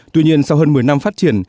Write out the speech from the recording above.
tuy nhiên sau hơn một mươi năm phát triển